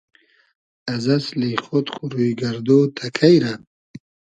از اسلی خۉد خو روی گئردۉ تئکݷ رۂ؟